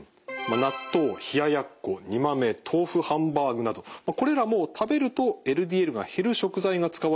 納豆冷ややっこ煮豆豆腐ハンバーグなどこれらも食べるとＬＤＬが減る食材が使われた料理ですね。